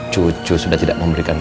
cucu sudah tidak memberikan